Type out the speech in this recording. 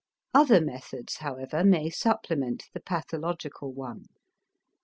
Other methods, however, may supplement the pathological one.